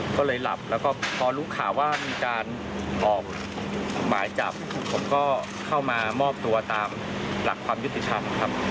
ก็เลยหลับแล้วก็พอรู้ข่าวว่ามีการออกหมายจับผมก็เข้ามามอบตัวตามหลักความยุติธรรมครับ